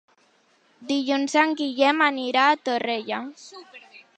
Dilluns en Guillem anirà a Torrella.